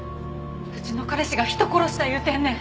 うちの彼氏が人殺した言うてんねん。